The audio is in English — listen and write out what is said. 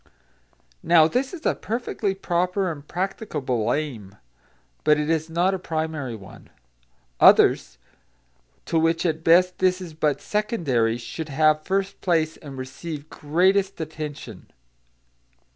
Now this is a perfectly proper and practicable aim, but it is not a primary one. Others, to which at best this is but secondary, should have first place and receive greatest attention.